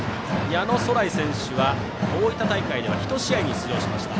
矢野壮頼選手は大分大会では１試合に出場しました。